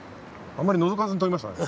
あんまりのぞかずに撮りましたね。